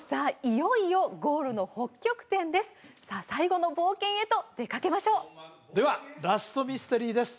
いよいよゴールの北極点ですさあ最後の冒険へと出かけましょうではラストミステリーです